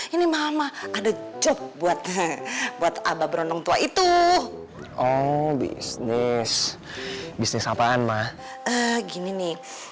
ini mama ada job buat abah beroneng tua itu oh bisnis bisnis apaan mah gini nih